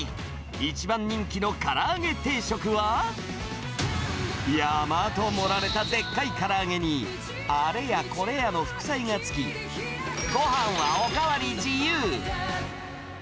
一番人気のから揚げ定食は、山と盛られたでっかいから揚げに、あれやこれやの副菜がつき、ごはんはおかわり自由。